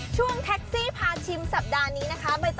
ช่วงแท็กซี่พาชิมสัปดาห์นี้นะคะ